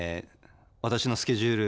私のスケジュール